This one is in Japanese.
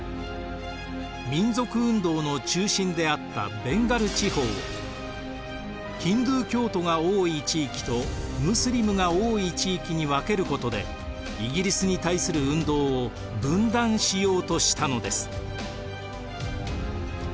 民族運動の中心であったベンガル地方をヒンドゥー教徒が多い地域とムスリムが多い地域に分けることでイギリスに対する運動を分断しようとしたのです。